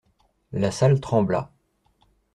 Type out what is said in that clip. La salle trembla.